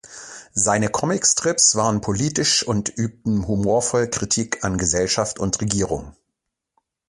Seine Comicstrips waren politisch und übten humorvoll Kritik an Gesellschaft und Regierung.